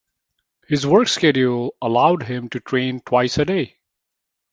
His work schedule allowed him to train twice a day.